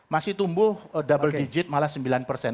masih tumbuh double digit malah sembilan persen